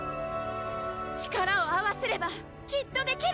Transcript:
力を合わせればきっとできる！